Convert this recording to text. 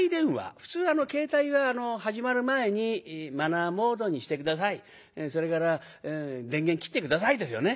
普通携帯は始まる前にマナーモードにして下さいそれから電源切って下さいですよね。